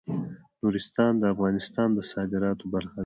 نورستان د افغانستان د صادراتو برخه ده.